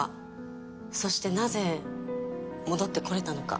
そしてなぜ戻ってこれたのか。